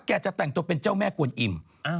จะแต่งตัวเป็นเจ้าแม่กวนอิ่ม